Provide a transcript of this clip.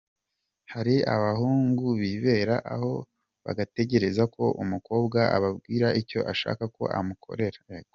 Hari abahungu bibera aho bagategereza ko umukobwa ababwira icyo ashaka ko amukorera.